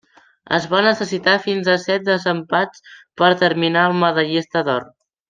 Es van necessitar fins a set desempats per determinar el medallista d'or.